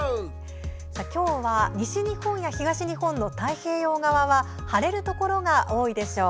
今日は西日本や東日本の太平洋側は晴れるところが多いでしょう。